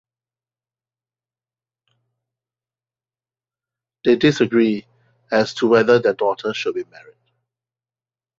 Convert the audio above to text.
They disagree as to whether their daughter should be married.